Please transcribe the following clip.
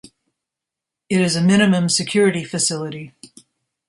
It is a minimum security facility.